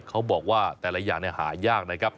เขาบอกว่าแต่ละอย่างหายากนะครับ